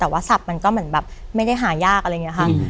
แต่ว่าสัตว์มันก็เหมือนแบบไม่ได้หายากอะไรอย่างนี้ค่ะ